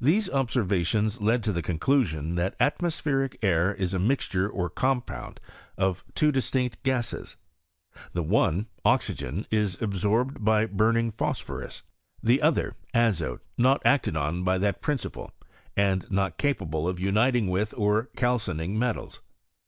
These observations led to the conclusion that atmospheric air is a minture or compound of two distinct gases, the one {oxygen) absorbed by burning phosphorus, the other (azote) not acted on by that principle, and not capable of uniting with or cal cining metals.